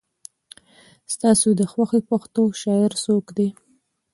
ستا د خوښې پښتو شاعر څوک دی؟